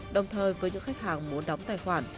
đồng thời với những khách hàng muốn đóng tài khoản